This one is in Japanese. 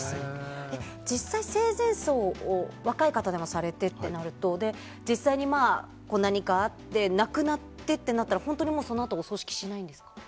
実際、生前葬を若い方でもされてってなると実際に何かあって亡くなってとなったら本当にそのあとはお葬式をしないんですか？